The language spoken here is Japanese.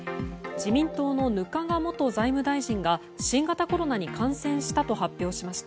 自民党の額賀元財務大臣が新型コロナに感染したと発表しました。